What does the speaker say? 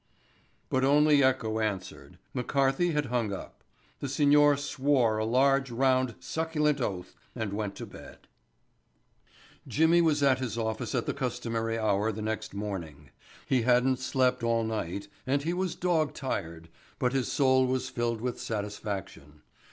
But only echo answered. McCarthy had hung up. The Signor swore a large, round, succulent oath and went to bed. Jimmy was at his office at the customary hour the next morning. He hadn't slept all night and he was dog tired, but his soul was filled with satisfaction.